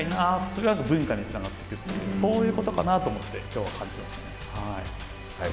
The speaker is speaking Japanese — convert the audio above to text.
それが文化につながっていくという、そういうことかなと思って、きょうは感じました。